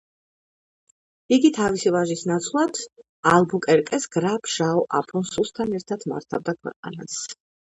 იგი თავისი ვაჟის ნაცვლად ალბუკერკეს გრაფ ჟაო აფონსუსთან ერთად მართავდა ქვეყანას.